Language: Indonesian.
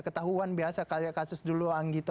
ketahuan biasa kayak kasus dulu anggito